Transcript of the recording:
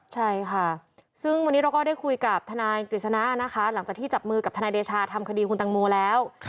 ใช่ค่ะซึ่งวันนี้เราก็ได้คุยกับทนายกฤษณะนะคะหลังจากที่จับมือกับทนายเดชาทำคดีคุณตังโมแล้ว